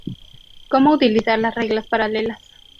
Cómo utilizar las reglas paralelas